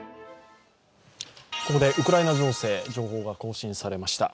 ここでウクライナ情勢、情報が更新されました。